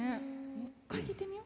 もう一回聞いてみよ。